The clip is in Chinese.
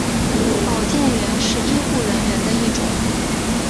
保健员是医护人员的一种。